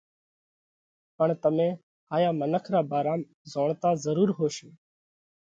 پڻ تمي ھايا منک را ڀارام زوڻتا ضرور ھوشو،